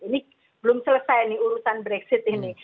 ini belum selesai nih urusan brexit ini